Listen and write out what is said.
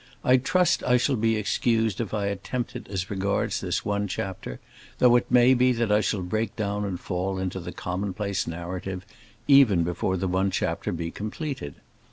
I trust I shall be excused if I attempt it as regards this one chapter; though, it may be, that I shall break down and fall into the commonplace narrative, even before the one chapter be completed.